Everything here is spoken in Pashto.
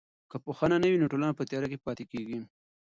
که پوهه نه وي نو ټولنه په تیاره کې پاتې کیږي.